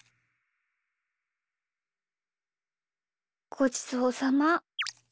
ごちそうさま。